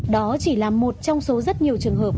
đó chỉ là một trong số rất nhiều trường hợp